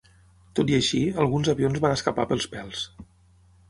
Tot i així, alguns avions van escapar pels pèls.